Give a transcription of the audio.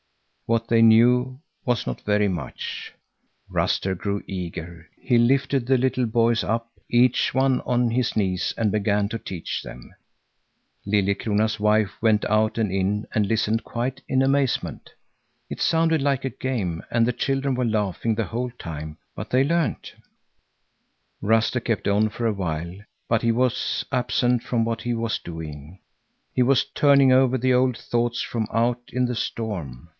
What they knew was not very much. Ruster grew eager; he lifted the little boys up, each on one of his knees, and began to teach them. Liljekrona's wife went out and in and listened quite in amazement. It sounded like a game, and the children were laughing the whole time, but they learned. Ruster kept on for a while, but he was absent from what he was doing. He was turning over the old thoughts from out in the storm.